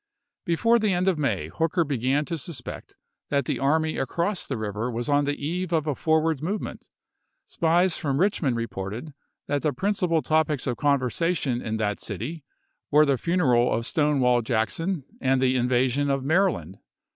Before the end of May Hooker began to suspect i863. that the army across the river was on the eve of a forward movement. Spies from Richmond reported that the principal topics of conversation in that city were the funeral of Stonewall Jackson and the in vasion of Maryland.